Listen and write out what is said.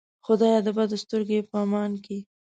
خدایه د بدو سترګو یې په امان کې.